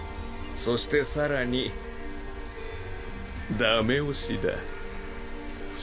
そして更にダメ押しだ。